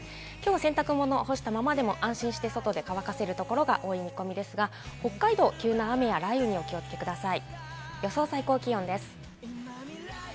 洗濯物を干したままでも安心して外で乾かせるところが多い見込みですが、北海道、急な雨や雷雨にお気をつけください。